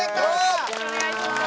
よろしくお願いします。